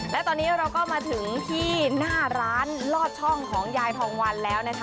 และตอนนี้เราก็มาถึงที่หน้าร้านลอดช่องของยายทองวันแล้วนะคะ